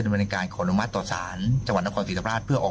เป็นบริการของดังมัดต่อสารจังหวัดนรกศรีศพราชภรรย์เพื่อออก